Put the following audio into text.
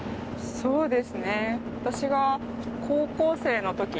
そうです。